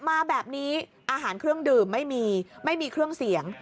มาแบบนี้อาหารเครื่องดื่มไม่มีไม่มีเครื่องเสียง